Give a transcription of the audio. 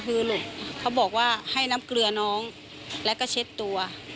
คือลูกเขาบอกว่าให้น้ำเกลือน้องแล้วก็เช็ดตัว